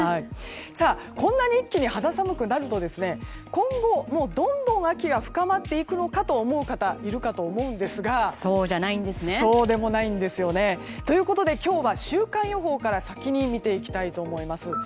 こんなに一気に肌寒くなると今後、もうどんどん秋が深まっていくのかと思う方いるかと思うんですがそうでもないんですね。ということで今日は週間予報から先に見ていきたいと思います。